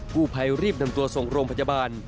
ผู้ภัยรีบนำตัวส่งโรงพยาบาล